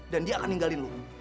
dan dia akan ninggalin lu